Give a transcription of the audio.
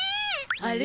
あれ？